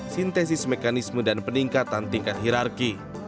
sintesis mekanisme dan peningkatan tingkat hirarki